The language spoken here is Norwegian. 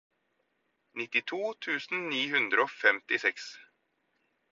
nittito tusen ni hundre og femtiseks